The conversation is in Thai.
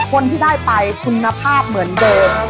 คนที่ได้ไปคุณภาพเหมือนเดิม